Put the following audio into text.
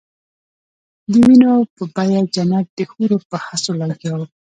د وینو په بیه جنت د حورو په هڅو لګیا وو.